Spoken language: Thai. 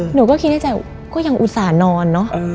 หนูก็คิดในใจก็ยังอุตส่าห์นอนเนอะ